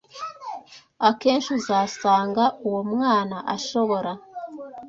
akenshi uzasanga uwo mwana ashobora